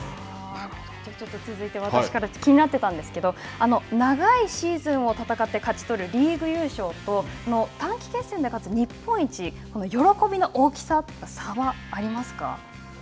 ちょっと続いて私から、気になってたんですけど、長いシーズンを戦って勝ち取るリーグ優勝と、短期決戦で勝つ日本一、この喜びの大きさとか差はありますか。